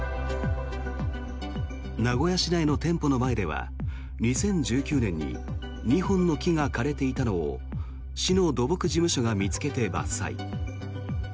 名古屋市内の店舗の前では２０１９年に２本の木が枯れていたのを市の土木事務所が見つけて伐採。